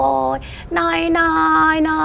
โอ้ยนาย